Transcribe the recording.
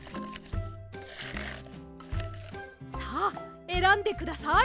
さあえらんでください。